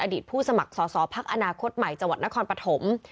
อดีตผู้สมัครสอบสอบภักดิ์อนาคตใหม่จังหวัดนครปฐม